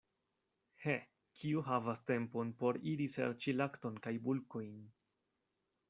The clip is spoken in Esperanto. He, kiu havas tempon, por iri serĉi lakton kaj bulkojn!